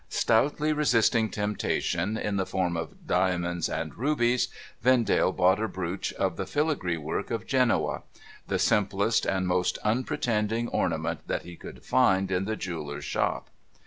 Stoutly resisting temptation, in the form of diamonds and rubies, Vendale bought a brooch of the filigree work of Genoa — the simplest and most unpretending ornament that he could find in the jeweller's shop.